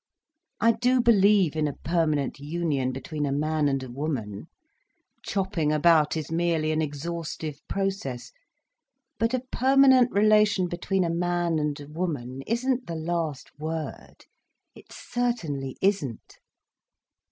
I do believe in a permanent union between a man and a woman. Chopping about is merely an exhaustive process. But a permanent relation between a man and a woman isn't the last word—it certainly isn't."